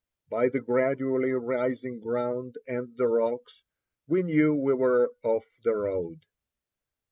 By the gradually rising ground, and the rocks, we knew we were off the road.